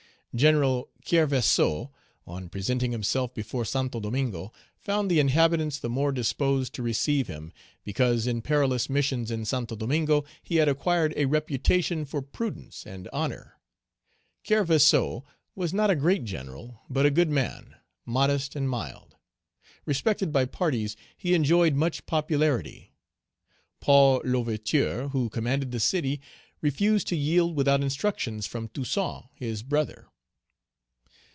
General Kerverseau, on presenting himself before Santo Domingo, found the inhabitants the more disposed to receive him, because in perilous missions in Santo Domingo, he had acquired a reputation for prudence and honor. Kerverseau Page 169 was not a great general, but a good man, modest and mild; respected by parties, he enjoyed much popularity. Paul L'Ouverture, who commanded the city, refused to yield without instructions from Toussaint, his brother.